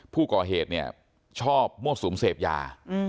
ผู้ก่อเหตุเนี่ยชอบมั่วสุมเสพยา